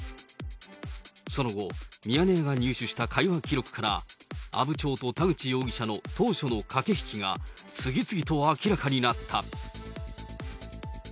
その後、ミヤネ屋が入手した会話記録から、阿武町と田口容疑者の当初の駆け引きが、次々と明らかになった。